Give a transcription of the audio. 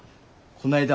こないだ